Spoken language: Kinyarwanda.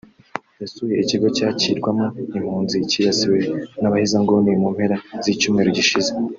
yasuye ikigo cyakirirwamo impunzi cyibasiwe n’abahezanguni mu mpera z’icyumweru gishize